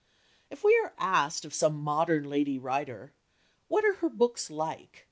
If we were asked of some modern lady writer, "What are her books like?"